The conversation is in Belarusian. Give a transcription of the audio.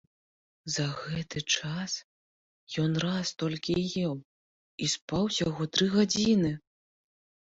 За гэты час ён раз толькі еў і спаў усяго тры гадзіны.